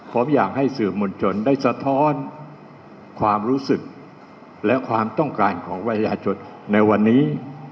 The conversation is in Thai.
ผมอยากให้สื่อมวลชนได้สะท้อนความรู้สึกและความต้องการของประชาชนในวันนี้